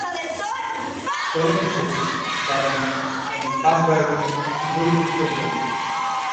চলচ্চিত্রটি বাবা-মা এবং পাঁচ ভাইবোনের একটি দরিদ্র পরিবার নিয়ে।